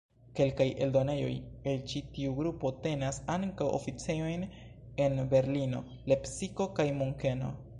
Kelkaj eldonejoj el ĉi tiu grupo tenas ankaŭ oficejojn en Berlino, Lepsiko kaj Munkeno.